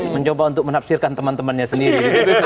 mencoba untuk menafsirkan teman temannya sendiri